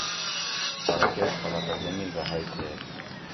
آرہ کش خلقہ زنگل رہ ہئ تھیت